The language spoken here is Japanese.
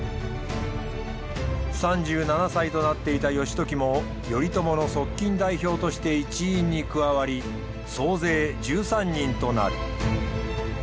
３７歳となっていた義時も頼朝の側近代表として一員に加わり総勢１３人となる。